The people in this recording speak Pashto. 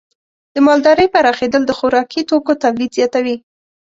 د مالدارۍ پراخېدل د خوراکي توکو تولید زیاتوي.